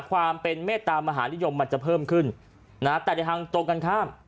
ความเป็นเมตตามหานิยมมันจะเพิ่มขึ้นนะแต่ในทางตรงกันข้าม